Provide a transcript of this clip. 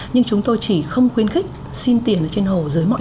nhưng chúng tôi chỉ không khuyên khích xin tiền trên hồ